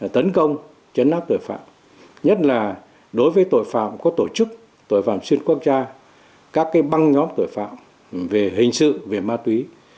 tấn công chấn áp tội phạm nhất là đối với tội phạm có tổ chức tội phạm xuyên quốc gia các băng nhóm tội phạm về hình sự về ma túy